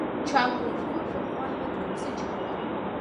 Чагә уажәы-уажәы ахәхәаҳәа дқәыԥсычҳауан.